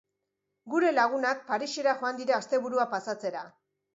Gure lagunak Parisera joan dira asteburua pasatzera